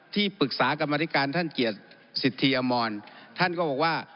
ที่ปรึกษากรรมธิการท่านเกียรติสิทธิอมรท่านก็บอกว่า